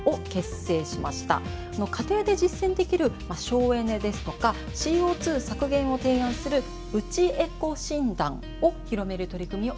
家庭で実践できる省エネですとかＣＯ削減を提案する「うちエコ診断」を広める取り組みを行っています。